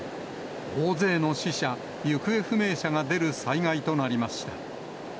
大勢の死者・行方不明者が出る災害となりました。